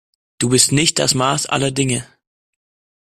Du bist nicht das Maß aller Dinge.